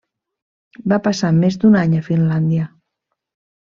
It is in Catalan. Va passar més d'un any a Finlàndia.